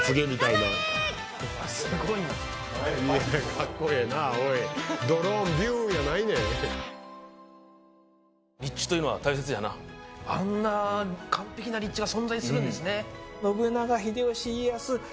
かっこええなおいドローンビューンやないねんあんな完璧な立地が存在するんですね